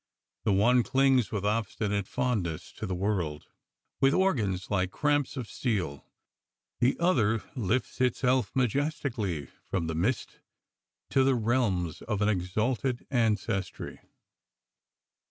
The one clings with obstinate fondness to the world, with organs like cramps of steel ; the other lifts itself majeEtically from the mist to the realms of an exalted ancestry."